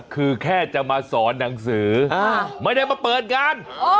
คือแค่จะมาสอนหนังสือไม่ได้มาเปิดงาน